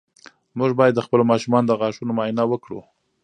موږ باید د خپلو ماشومانو د غاښونو معاینه وکړو.